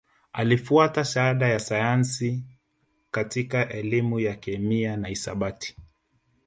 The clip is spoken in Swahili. Alifuata Shahada ya Sayansi katika Elimu ya Kemia na Hisabati